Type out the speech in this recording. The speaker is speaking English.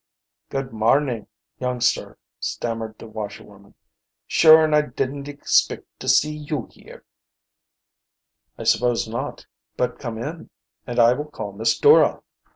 "Good marnin', young sir," stammered the washerwoman. "Sure an' I didn't ixpict to see you here." "I suppose not. But come in, and I will call Miss Dora."